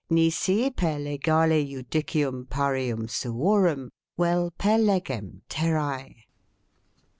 nisi per legale judicium parium suorum uel per legem terrae."